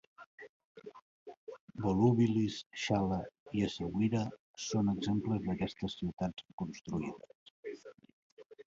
Volúbilis, Xal·la i Essaouira són exemples d'aquestes ciutats reconstruïdes.